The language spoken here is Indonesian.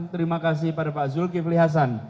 terima kasih pada pak zulkifli hasan